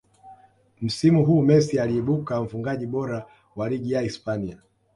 msimu huu Messi aliibuka mfungaji bora wa ligi ya hispania